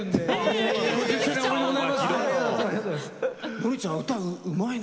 ノリちゃん歌うまいね。